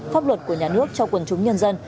pháp luật của nhà nước cho quần chúng nhân dân